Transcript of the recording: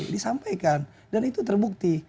disampaikan dan itu terbukti